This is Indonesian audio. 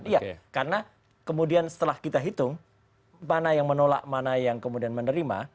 iya karena kemudian setelah kita hitung mana yang menolak mana yang kemudian menerima